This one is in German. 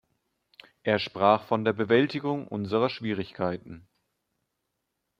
Er sprach von der Bewältigung unserer Schwierigkeiten.